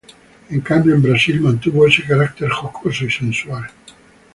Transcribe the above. En cambio en Brasil mantuvo ese carácter jocoso y sensual.